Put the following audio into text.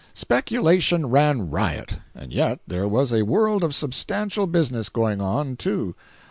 Speculation ran riot, and yet there was a world of substantial business going on, too.